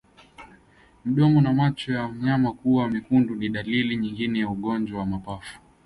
Mdomo na macho ya mnyama kuwa mekundu ni dalili nyingine ya ugonjwa wa mapafu